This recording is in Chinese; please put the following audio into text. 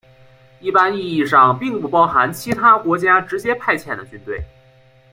一般意义上并不包含其他国家直接派遣的军队。